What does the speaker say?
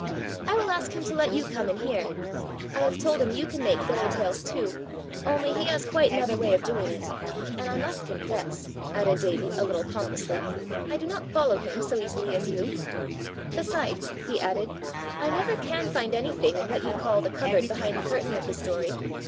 "I will ask him to let you come and hear. I have told him you can make fairy tales too; only he has quite another way of doing it; and I must confess," added Davie a little pompously, "I do not follow him so easily as you. Besides," he added, "I never can find anything in what you call the cupboard behind the curtain of the story.